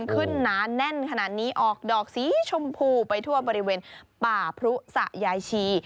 หนาแน่นขนาดนี้ออกดอกสีชมพูไปทั่วบริเวณป่าพรุสะยายชี